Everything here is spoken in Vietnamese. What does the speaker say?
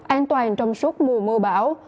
an toàn trong suốt mùa mưa bão